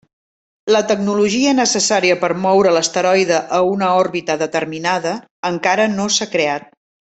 La tecnologia necessària per moure l'asteroide a una òrbita determinada encara no s'ha creat.